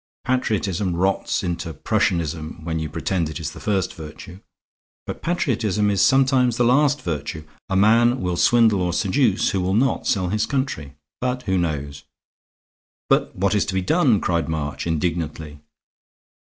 Patriotism rots into Prussianism when you pretend it is the first virtue. But patriotism is sometimes the last virtue. A man will swindle or seduce who will not sell his country. But who knows?" "But what is to be done?" cried March, indignantly.